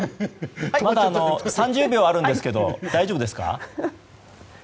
まだ３０秒あるんですけど大丈夫ですか？